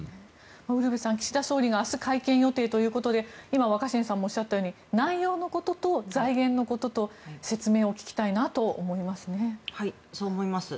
岸田総理が明日、会見予定ということで今、若新さんもおっしゃったように内容のことと財源のことと説明を聞きたいなと思いますね。